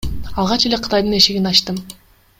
Алгач эле Кытайдын эшигин ачтым.